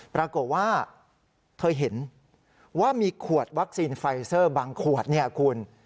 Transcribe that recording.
ปรากฏว่าเธอเห็นว่ามีขวดวัคซีนไฟเซอร์บางขวดเนี่ยคุณ